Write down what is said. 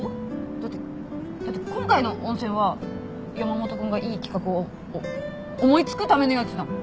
だってだって今回の温泉は山本君がいい企画をおっ思い付くためのやつだもん